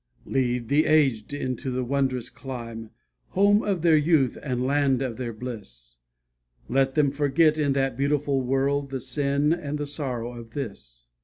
Lead the aged into that wondrous clime, Home of their youth and land of their bliss; Let them forget in that beautiful world, The sin and the sorrow of this.